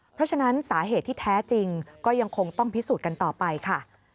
เพราะฉะนั้นสาเหตุที่แท้จริงก็ยังคงต้องพิสูจน์กันต่อไปค่ะ